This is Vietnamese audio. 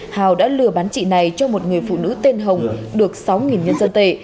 hào đã lừa bán chị này cho một người phụ nữ tên hồng được sáu nhân dân tệ